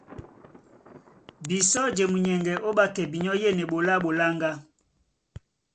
Bisɔ́ di e munyɛŋgɛ ó ɓákɛ binyɔ́ yên eɓoló á ɓoláŋgá.